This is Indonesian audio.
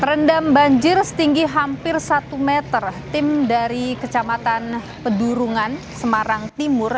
terendam banjir setinggi hampir satu meter tim dari kecamatan pedurungan semarang timur